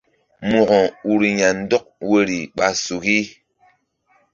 Mo̧ko ur ya̧ ndɔk woyri ɓa suki.